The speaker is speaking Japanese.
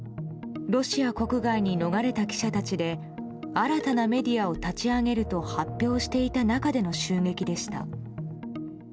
ロシア国外に逃れた記者たちで新たなメディアを立ち上げると発表していた中での襲撃でした。